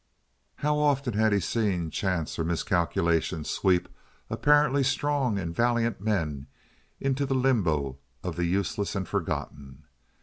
How often had he seen chance or miscalculation sweep apparently strong and valiant men into the limbo of the useless and forgotten!